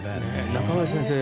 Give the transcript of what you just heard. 中林先生